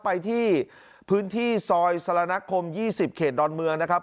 ไปที่พื้นที่ซอยสระนักคม๒๐เขตดอนเมืองนะครับ